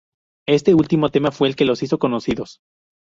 Este último tema fue el que los hizo conocidos.